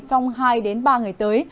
trong hai đến ba ngày tới